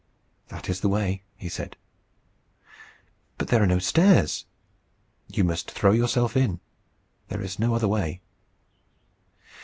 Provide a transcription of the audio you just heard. "That is the way," he said. "But there are no stairs." "You must throw yourself in. There is no other way."